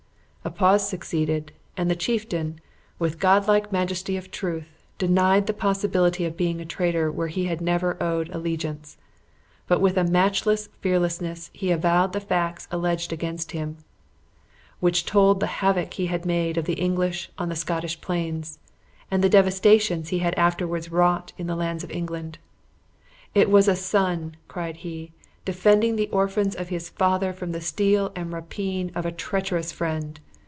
A pause succeeded, and the chieftain, with god like majesty of truth, denied the possibility of being a traitor where he never had owed allegiance. But with a matchless fearlessness, he avowed the facts alleged against him, which told the havoc he had made of the English on the Scottish plains, and the devastations he had afterward wrought in the lands of England. 'It was a son,' cried he, 'defending the orphans of his father from the steel and rapine of a treacherous friend!